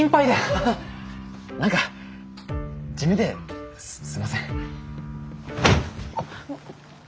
ハハッ何か地味ですいません。